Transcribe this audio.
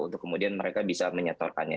untuk kemudian mereka bisa menyetorkannya